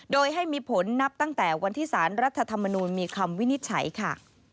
โดยให้มีผลนับตั้งแต่วันที่สารรัฐธรรมนูลมีคำวินิจฉัยค่ะ